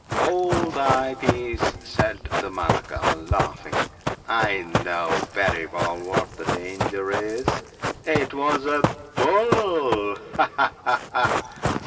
' Hold thy peace/ said Damanaka, laughing ;' I know very well what the danger is ! It was a bull, aha